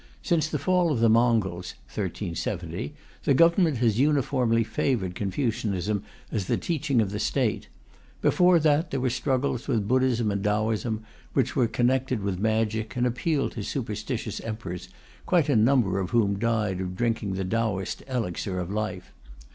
Since the fall of the Mongols (1370), the Government has uniformly favoured Confucianism as the teaching of the State; before that, there were struggles with Buddhism and Taoism, which were connected with magic, and appealed to superstitious Emperors, quite a number of whom died of drinking the Taoist elixir of life.